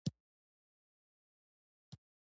تواب یو دم وژړل او سا یې واخیسته.